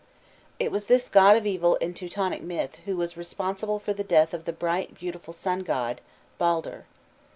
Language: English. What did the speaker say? _ It was this god of evil in Teutonic myth who was responsible for the death of the bright beautiful sun god, Baldur.